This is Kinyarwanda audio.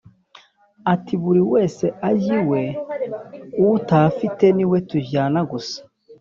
ati"buriwese ajye iwe uwutahafite niwe tujyana gusa "